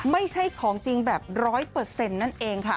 ไม่ใช่ของจริงแบบ๑๐๐นั่นเองค่ะ